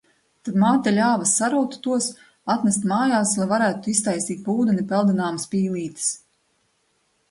Tad māte ļāva saraut tos, atnest mājās, lai varētu iztaisīt pa ūdeni peldināmas pīlītes.